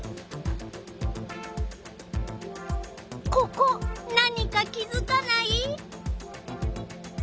ここ何か気づかない？